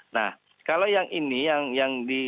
nah kalau yang ini yang di